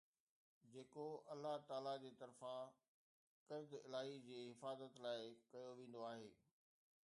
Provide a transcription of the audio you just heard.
جيڪو الله تعاليٰ طرفان ڪرد الاهي جي حفاظت لاءِ ڪيو ويندو آهي